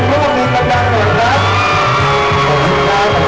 ขอบคุณทุกเรื่องราว